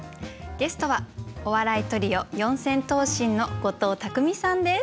ゲストはお笑いトリオ四千頭身の後藤拓実さんです。